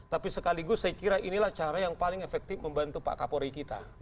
tapi sekaligus saya kira inilah cara yang paling efektif membantu pak kapolri kita